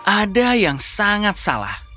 ada yang sangat salah